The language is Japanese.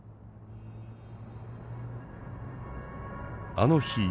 あの日。